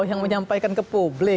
yang menyampaikan ke publik